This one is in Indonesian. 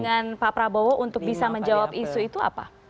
dengan pak prabowo untuk bisa menjawab isu itu apa